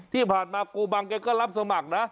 ที่ผ่านมาโกบังแกก็รับสมัครนะ